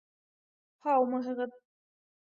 — Һаумыһығыҙ!